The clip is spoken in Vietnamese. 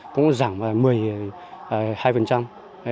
cũng giảm vào một mươi hai